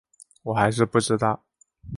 我还是不知道